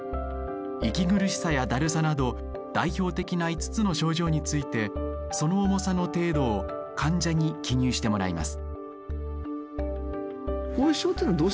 息苦しさやだるさなど代表的な５つの症状についてその重さの程度を患者に記入してもらいます。